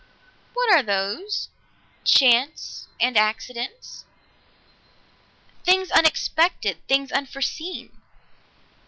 "What are those chance and accidents?" "Things unexpected things unforeseen."